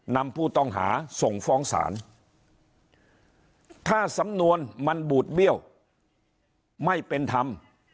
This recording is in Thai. นำผู้ต้องหาส่งฟ้องศาลถ้าสำนวนมันบูดเบี้ยวไม่เป็นธรรม